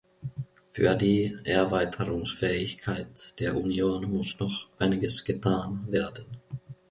Für die Erweiterungsfähigkeit der Union muss noch einiges getan werden.